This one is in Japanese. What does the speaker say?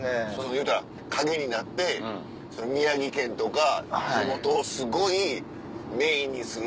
いうたら陰になって宮城県とか地元をすごいメインにするっていう。